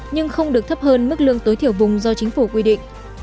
nhưng không được thấp hơn mức lương tối thiểu vùng do chính phủ quy định